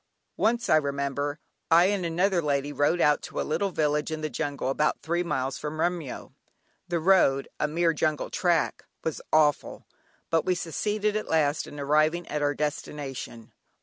Once, I remember, I and another lady rode out to a little village in the jungle about three miles from Remyo. The road, a mere jungle track, was awful, but we succeeded at last in arriving at our destination.